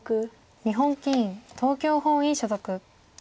日本棋院東京本院所属。